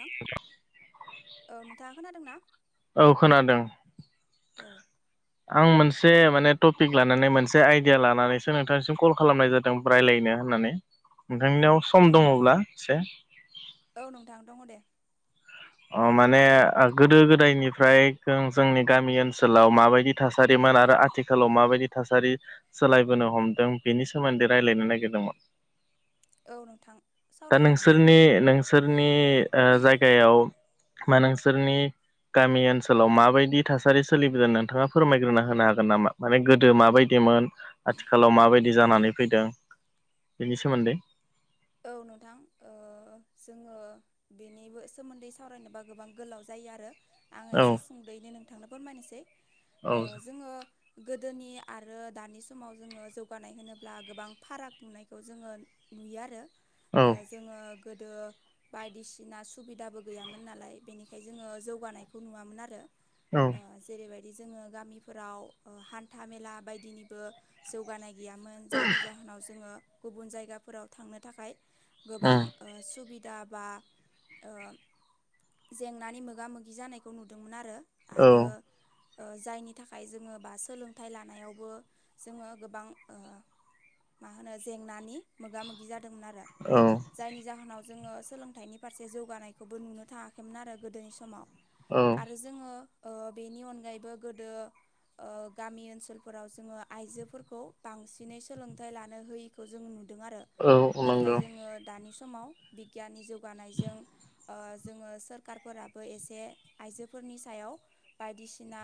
नोंथां औ नोंथाङा खोनादों ना औ खोनादों औ आं मोनसे माने टपिक लानानै मोनसे आइडिया लानानैसो नोंथांनिसिम कल खालामनाय जादों रायज्लायनो होननानै नोंथांनियाव सम दङब्ला एसे औ नोंथां दङ दे ओ माने गोदो गोदायनिफ्राय जोंनि गामि ओनसोलाव माबायदि थासारिमोन आरो आथिखाल आथिखालाव माबायदि थासारि सोलायबोनो हमदों बेनि सोमोन्दै रायज्लायनो नागिरदोंमोन औ नोंथां दा सावरायजागोन दे नोंसोरनि नोंसोरनि ओ जायगायाव बा नोंसोरनि गामि ओनसोलाव माबायदि थासारि सोलिबोदों नोंथाङा फोरमायग्रोना होनो हागोन नामा माने गोदो माबायदिमोन आथिखालाव माबायदि जानानै फैदों बेनि सोमोन्दै औ नोंथां ओ जोङो बेनिबो सोमोन्दै सावरायनोबा गोबां गोलाव जायो आरो आङो औ एसे सुंद'यैनो नोंथांनो फोरमायनोसै औ ओ जोङो गोदोनि आरो दानि समाव जोङो जौगानाय होनोब्ला गोबां फाराग नुनायखौ जोङो नुयो आरो औ जोङो गोदो बायदिसिना सुबिदाबो गैयामोन नालाय बेनिखायनो जोङो जौगानायखौ नुवामोन आरो औ ओ जेरैबायदि जोङो गामिफोराव हान्था मेला बायदिनिबो जौगानाय गैयामोन जायनि जाहोनाव जोङो गुबुन जायगाफोराव थांनो थाखाय उम गोबां सुबिदा बा ओ जेंनानि मोगा मोगि जानायखौ नुदोंमोन आरो औ आरो ओ जायनि थाखाय जोङो बा सोलोंथाइ लानायावबो जोङो गोबां मा होनो जेंनानि मोगा मोगि जादोंमोन आरो औ जायनि जाहोनाव जोङो सोलोंथाइनि फारसे जौगानायखौबो नुनो थाङाखैमोन आरो गोदोनि समाव औ आरो जोङो बेनि अनगायैबो गोदो गामि ओनसोलफोराव जोङो आइजोफोरखौ बांसिनै सोलोंथाइ लानोह जों नुदों आरो औ नाथाय नंगौ जोङो दानि समाव बिगियाननि जौगानायजों ओ जोङो सोरखारफोराबो एसे आइजोफोरनि सायाव बायदिसिना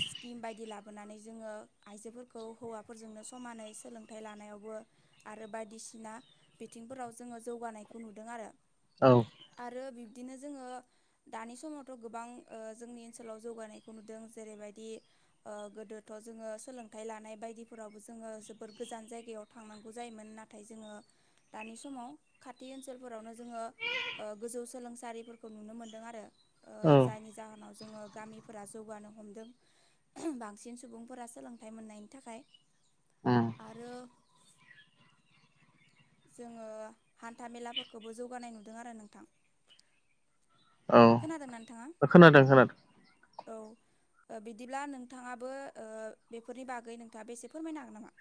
स्किम बायदि लाबोनानै जोङो आइजोफोरखौ हौवाफोरजोंनो समानै सोलों फन्थाइ लानायावबो आरो बायदिसिना बिथिंफोराव जोङो जौगानायखौ नुदों आरो औ आरो बिब्दिनो जोङो दानि समावथ' गोबां जोंनि ओनसोलाव जौगानायखौ नुदों जेरैबायदि गोदोथ' जोङो सोलोंथाइ लानाय बायदिफोरावबो जोङो जोबोर गोजान जायगायाव थांनांगौ जायोमोन नाथाय नाथाय जोङो दानि समाव खाथि ओनसोलफोरावनो जोङो ओ गोजौ सोलोंसालिफोरखौ नुनो मोनदों आरो ओ जायनि जाहोनाव जोङो गामि फोर जौगानो हमदों बांसिन सुबुंफोरा सोलोंथाइ मोननायनि थाखाय ओम आरो जोङो हान्था मेलाफोरखौबो जौगानाय नुदों आरो नोंथां औ खोनादों नोंथाङा खोनादों खोनादों औ बिदिब्ला नोंथाङाबो ओ बेफोरनि बागै नोंथाङा बेसे फोरमायनो हागोन नामा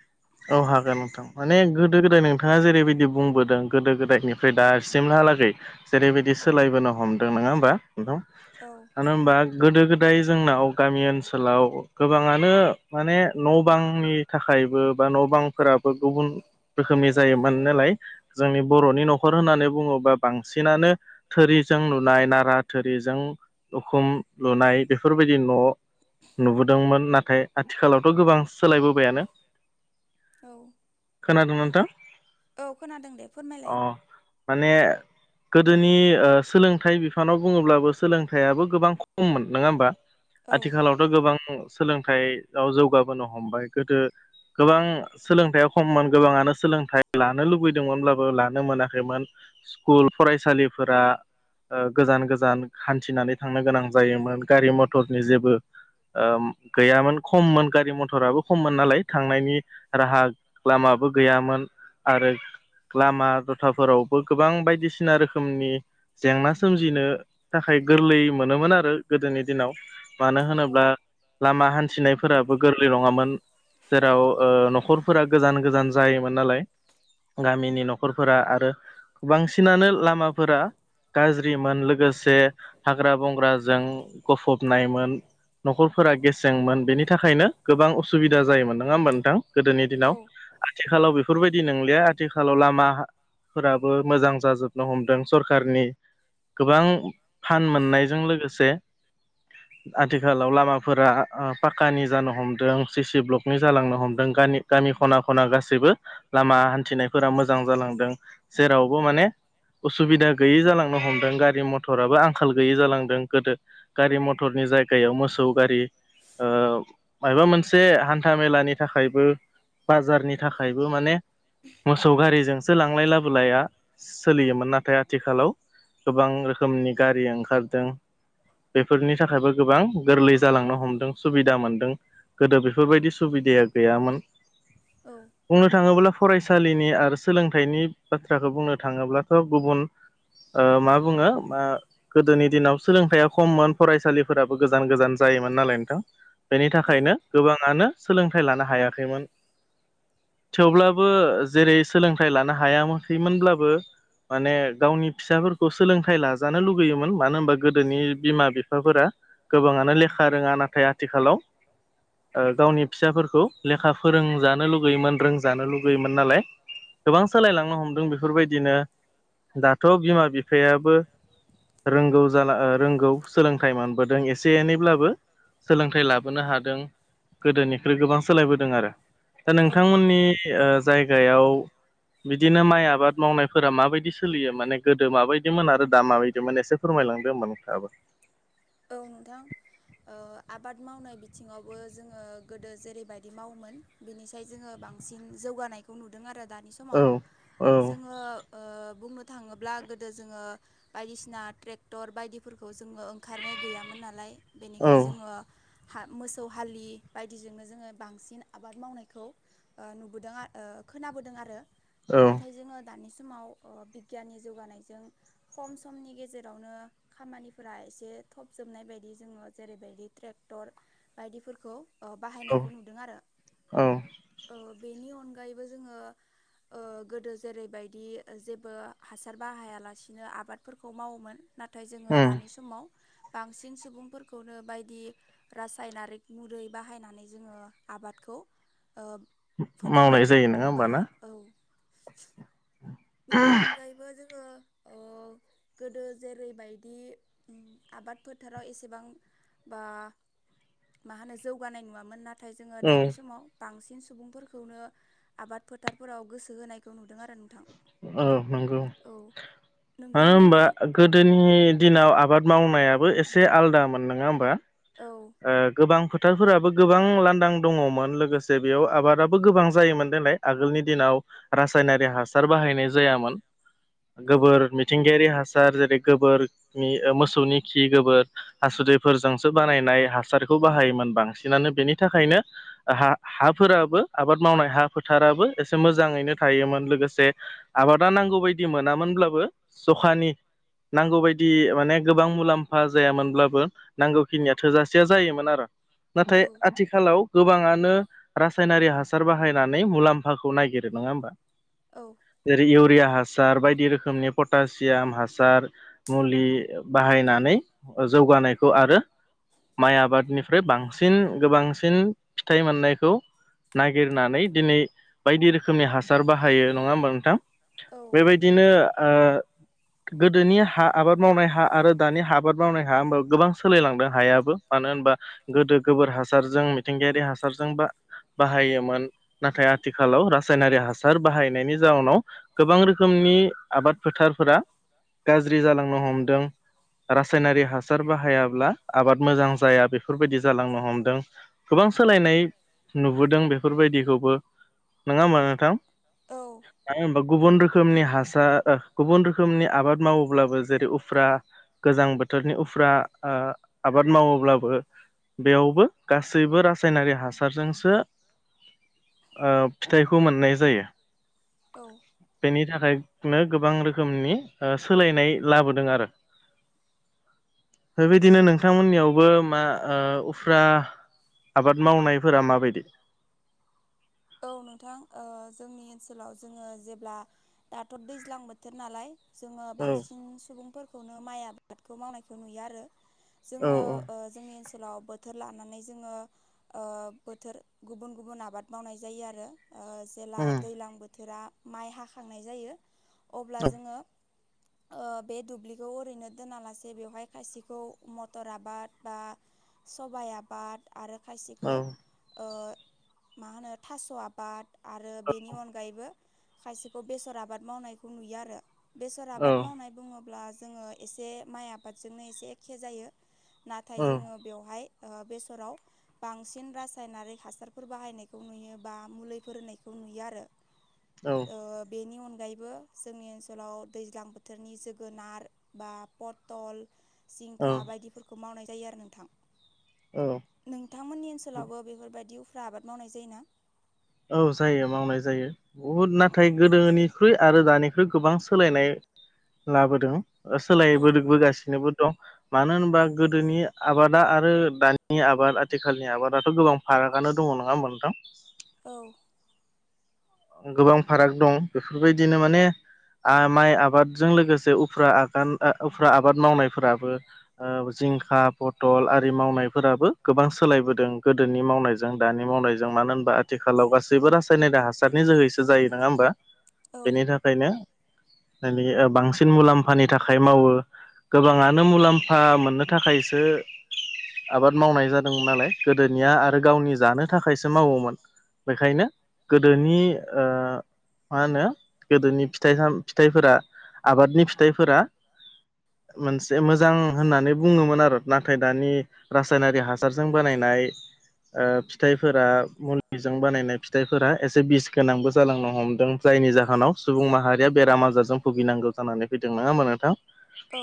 औ हागोन नोंथां माने गोदो गोदाय नोंथाङा जेरैबायदि बुंबोदों गोदो गोदायनिफ्राय दासिमहालागै जेरैबायदि सोलायबोनो हमदों नङा होमबा नोंथां औ मानो होनबा गोदो गोदाय जोंनाव गामि ओनसोलाव गोबाङानो माने न' बांनि थाखायबो बा न' बांफोराबो गुबुन रोखोमनि जायो मोन नालाय जोंनि बर'नि न'खर होननानै बुङोबा बांसिनानो थोरिजों लुनाय नारा थोरिजों उखुम लुनाय बेफोरबायदि न' नुबोदोंमोन नाथाय आथिखालावथ' गोबां सोलायबोबायानो औ खोनादों नोंथां औ खोनादों दे अ फोरमायलाय माने गोदोनि ओ सोलोंथाइ बिफानाव बुङोब्लाबो सोलोंथाइयाबो गोबां खममोन नङा होमबा औ आथिखालावथ' गोबां सोलोंथाइआव जौगाबोनो हमबाय गोदो गोबां सोलोंथायाइया खममोन गोबाङानो सोलोंथाइ लानो लुबैदोंमोनब्लाबो लानो मोनाखैमोन स्कुल फरायसालिफोरा गोजान गोजान हान्थिनानै थांनो गोनां जायोमोन गारि मथरनि जेबो ओ गैयामोन खममोन गारि मथराबो खममोन नालाय थांनायनि राहा लामाबो गैयामोन आरो लामा दथाफोरावबो गोबां बायदिसिना रोखोमनि जेंना सोमजिनो थाखाय औ गोरलै मोनोमोन आरो गोदोनि दिनाव मानो औ होनोब्ला लामा हान्थिनायफोराबो गोरलै नङामोन जेराव न'खरफोरा गोजान गोजान जायोमोन नालाय गामिनि न'खरफोरा आरो बांसिनानो लामाफोरा गाज्रिमोन लोगोसे हाग्रा बंग्राजों गफबनायमोन न'खरफोरा गेसेंमोन बेनि थाखायनो गोबां उसुबिदा जायोमोन नङा होमबा नोंथां गोदोनि औ दिनाव आथिखालाव बेफोरबायदि नंलिया आथिखालाव लामाफोराबो मोजां जाजोबनो हमदों सरखारनि गोबां फान मोननायजों लोगोसे आथिखालाव लामाफोरा पाकानि जानो हमदों सिसि ब्लक निजा जालांनो हमदों गानि गामि खना खना गासैबो लामा हान्थिनायफोरा मोजां जालांदों जेरावबो माने उसुबिदा गैयै जालांनो हमदों गारि मथराबो आंखाल गैयि जालांदों गोदो गारि मथरनि जायगायाव मोसौ गारि मायबा मोनसे हान्था मेलानि थाखायबो बाजारनि थाखायबो माने मोसौ गारिजोंसो लांलाय लाबोलाया सोलियोमोन नाथाय आथिखालाव गोबां रोखोमनि गारि ओंखारदों बेफोरनि थाखायबो गोबां गोरलै जालांनो हमदों सुबिदा मोनदों गोदो बेफोरबायदि सुबिदाया गैयामोन औ बुंनो थाङोब्ला फरायसालिनि आरो सोलोंथाइनि बाथ्राखौ बुंनो थाङोब्लाथ' गुबुन आ मा बुङो मा गोदोनि दिनाव सोलोंथाइा खममोन फरायसालिफोराबो गोजान गोजान जायोमोन नालाय नोंथां बेनि औ थाखायनो गोबाङानो सोलोंथाइ लानो हायाखैमोन थेवब्लाबो जेरै सोलोंथाइ लानो हायाखैमोनब्लाबो माने गावनि फिसाफोरखौ सोलोंथाइ लाजानो लुगैयोमोन मानो होनबा गोदोनि बिमा बिफाफोरा गोबाङानो लेखा रोङा नाथाय आथिखालाव गावनि फिसाफोरखौ लेखा फोरोंजानो लुगैयोमोन रोंजानो लुगैयोमोन नालाय गोबां सोलायलांनो हमदों बेफोरबायदिनो दाथ' बिमा बिफायाबो रोंगौ जाला रोंगौ सोलोंथाइ मोनबोदों एसे एनैब्लाबो सोलोंथाइ लाबोनो हादों गोदोनि बेफोर गोबां सोलायबोदों आरो दा औ नोंथांमोननि जायगायाव बिदिनो माइ आबाद मावनायफोरा माबायदि सोलियो माने गोदो माबायदिमोन आरो दा माबायदिमोन एसे फोरमायलांदो होमबा नोंथाङाबो औ नोंथां। ओ आबाद मावनाय बिथिङावबो जोङो गोदो जेरैबायदि मावोमोन बिनिसाय जोङो बांसिन जौगानायखौ नुदों आरो दानि समाव। औ औ जोङो ओ बुंनो थाङोब्ला गोदो जोङो बायदिसिना ट्रेक्टर बायदिफोरखौ जोङो ओंखारनाय गैयामोन नालाय औ बेनिखाय जोङो हा मोसौ हालि बायदिजोंनो जोङो बांसिन आबाद मावनायखौ ओ नुबोदों खोनाबोदों आरो नाथाय जोङो दानि समाव बिगियाननि जौगानायजों खम समनि गेजेरावनो खामानिफोरा एसे एसे थब जोबनाय बायदि जोङो जेरैबायदि ट्रेक्टर बायदिफोरखौ औ बाहायनायखौ नुदों औ आरो बेनि अनगायैबो जोङो ओ गोदो जेरैबायदि जेबो हासार बाहायालासिनो आबादफोरखौ मावोमोन नाथाय जोङो उम दानि समाव बांसिन सुबुंफोरखौनो बायदि रासायनारिक मरै बाहायनानै जोङो आबादखौ मावनाय फोथांनायखौ जायो नङा होमबा नुदोंबा ना औ बेनि अनगायैबो जोङो ओ गोदो जेरैबायदि आबाद फोथाराव एसेबां बा मा होनो जौगानाय नुवामोन नाथाय जोङो औ दानि समाव। बांसिन सुबुंफोरखौनो आबाद फोथारफोराव गोसो होनायखौ नुदों आरो नोंथां। औ नंगौ मानो औ होनबा नोंथांमोननि गोदोनि दिनाव आबाद मावनायाबो एसे आलादामोन नङा होमबा? औ गोबां फोथारफोराबो गोबां लांदां दङमोन लोगोसे बेयाव आबादाबो गोबां जायोमोन देग्लाय आगोलनि दिनाव रासायनारि हासार बाहायनाय जायामोन औ गोबोर मिथिंगायारि हासार जेरै गोबोरनि मोसौनि खि गोबोर हासुदैफोरजोंसो बानायनाय हासारखौ बाहायोमोन बांसिनानो बेनि थाखायनो हा हाफोराबो आबाद मावनाय हा फोथाराबो एसे मोजाङैनो थायोमोन लोगोसे। आबादा नांगौ बायदि मोनामोनब्लाबो जखानि नांगौ बायदि माने गोबां मुलाम्फा जायामोनब्लाबो नांगौ खिनिया थोजासे खथिया जायोमोन आरो औ नाथाय आथिखालाव गोबाङानो रासायनारि हासार बाहायनानै मुलाम्फाखौ ननायागिरो नङा होमबा? औ जेरै इउरिया हासार बायदि रोखोमनि पटासियाम हासार। मुलि बाहायनानै जौगानायखौ आरो [inaudible] माइ आबादनिफ्राय बांसिन गोबांसिन फिथाइ मोननायखौ नागिरनानै दिनै बायदि रोखोमनि हासार बाहायो नङा होमबा नोंथां? औ बेबायदि बिदिनो ओ गोदोनि हा आबाद मावनाय हा आरो दानि आबाद मावनाय हा होमबा गोबां सोलायलांदों हायाबो मानो होनबा गोदो गोबोर हासारजों मिथिंगायारि हासारजों बा बाहायोमोन। नाथाय आथिखालाव रासायनारि हासार बाहायनायनि जाउनाव गोबां रोखोमनि आबाद फोथारफोरा गाज्रि जालांनो हमदों रासायनारि हासार बाहायाब्ला आबाद मोजां जाया बेफोरबायदि जालांनो हमदों। गोबां सोलायनाय नुबोदों बेफोरबायदिखौबो नङा होमबा नोंथां? [inaudible] मा होनबा गुबुन रोखोमनि हासार गुबुन रोखोमनि आबाद मावोब्लाबो जेरै उफ्रा गोजां बोथोरनि उफ्रा आबाद मावोब्लाबो बो बेयावबो गासैबो रासायनारि हासारजोंसो ओ फिथाइखौ मोननाय जायो। औ बेनि थाखायनो गोबां रोखोमनि सोलायनाय लाबोदों आरो। बेबायदिनो नोंथांमोननियावबो मा ओ उफ्रा आबाद मावनायफोरा माबायदि? औ नोंथांओ जोंनि ओनसोलाव जोङो जेब्ला दाथ' दैज्लां बोथोर नालाय जोङो औ बांसिन सुबुंफोरखौनो माइ आबादखौ मावनायखौ नुयो आरो औ जोङो औ जोंनि ओनसोलाव बोथोर लानानै जोङो बोथोर गुबुन गुबुन आबाद मावनाय ज जायो आरो जे उम दैज्लां बोथोरा माइ हाखांनाय जायो अब्ला जोङो ओ बे दुब्लिखौ ओरैनो दोनालासे बेवहाय खायसेखौ मटर आबाद बा सबाइ आबाद आरो औ खायसेखौ ओ मा होनो थास' आबाद आरो बेनि अनगायैबो खायसेखौ बेसर आबाद मावनायखौ नुयो आरो बेसर औ आबाद मावनाय बुङोब्ला जोङो एसे माइ आबादजोंनो एसे एखे जायो नाथाय जोङो बेवहाय बेसराव बांसिन रासायनारिक हासारफोर बाहायनायखौ नुयो बा मुलिफोरायखौ नुयो आरो औ बेनि अनगायैबो जोंनि ओनसोलाव दैज्लां बोथोरनि जोगोनार बा पथल सिंखा बायदिफोरखौ मावनाय जायो आरो नोंथां औ नोंथांमोननि ओनसोलावबो बेफोरबायदि उफ्रा आबाद मावनाय जायोना औ जायो मावनाय जायो बुहुद नाथाय गोदोनिख्रुइ आरो दानिख्रुइ गोबां सोलायनाय लाबोदों औ सोलायबोबोगासिनोबो दं मानो होनबा गोदोनि आबादा आरो दानि आबाद आथिखालनि आबादाथ' गोबां फारागानो दङ नङा होमबा नोंथां औ गोबां फाराग दं बेफोरबायदिनो माने माइ आबादजों लोगोसे उफ्रा आगान उफ्रा आबाद मावनायफोराबो जिंखा पटल आरि मावनायफोराबो गोबां सोलायबोदों गोदोनि मावनायजों जों दानि मावनायजों मानो होनबा आथिखालाव गासैबो रासायनाय द ह हासारनि जोहैसो जायो नङा होमबा औ बेनि थाखायनो बांसिन मुलाम्फानि थाखाय मावो गोबाङानो मुलाम्फा मोननो थाखायसो आबाद मावनाय जादोंमोन नालाय गोदोनिया आरो गावनि जानो थाखायसो मावोमोन बेखायनो गोदोनि मा होनो गोदोनि फिथाइ फिथाइफोरा आबादनि फिथाइफोरा मोनसे मोजां होननानै बुङोमोन आरो नाथाय दानि रासायनारि हासारजों बानायनाय फिथाइफोरा मुलिजों बानायनाय फिथाइफोरा एसे बिस गोनांबो जालांनो हमदों जायनि जाहोनाव सुबुं माहारिया बेराम आजारजों भुगिनांगौ जानानै फैदों नाोमबा नोंथां औ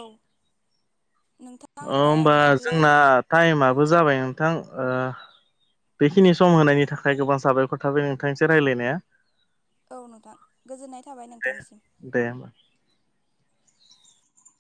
नोंथां बिदिब्ला टाइमाबबो जाबाय नोंथां बेखिनि सम होनायनि थाखाय गोबां साबायखर थाबाय नोंथांनिसो रायज्लायनाया औ नोंथां गोजोननाय थाबाय दे नोंथांसिम दे होमबा